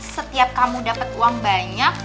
setiap kamu dapat uang banyak